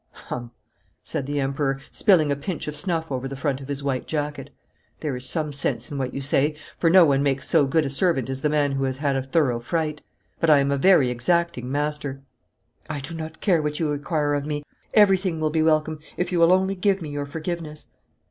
'Hum!' said the Emperor, spilling a pinch of snuff over the front of his white jacket. 'There is some sense in what you say, for no one makes so good a servant as the man who has had a thorough fright. But I am a very exacting master.' 'I do not care what you require of me. Everything will be welcome, if you will only give me your forgiveness.'